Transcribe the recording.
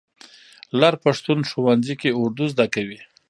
لر پښتون ښوونځي کې اردو زده کوي.